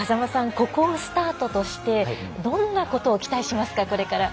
ここをスタートとしてどんなことを期待しますかこれから。